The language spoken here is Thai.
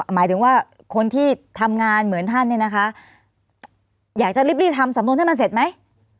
หมายถึงว่าคนที่ทำงานเหมือนท่านเนี่ยนะคะอยากจะรีบทำสำนวนให้มันเสร็จไหม